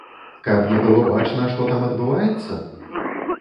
Каб не было бачна, што там адбываецца?